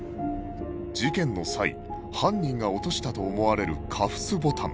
事件の際犯人が落としたと思われるカフスボタン